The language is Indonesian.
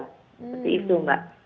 seperti itu mbak